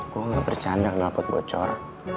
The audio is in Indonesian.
gue gak bercanda kenapa bocor